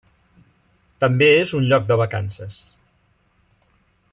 També és un lloc de vacances.